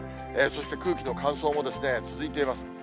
そして、空気の乾燥も続いています。